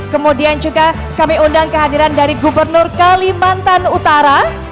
kemudian juga kami undang kehadiran dari gubernur kalimantan utara